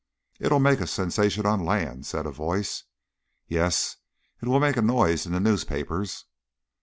"It'll make a sensation on land," said a voice. "Yes, it will make a noise in the newspapers."